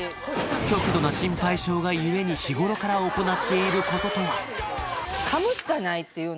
極度な心配性が故に日頃から行っていることとは？